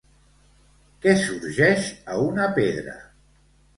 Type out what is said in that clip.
Què sorgeix a una pedra?